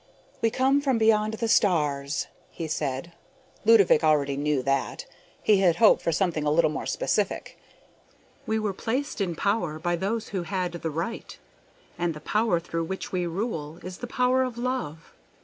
"We come from beyond the stars," he said. Ludovick already knew that; he had hoped for something a little more specific. "We were placed in power by those who had the right. And the power through which we rule is the power of love!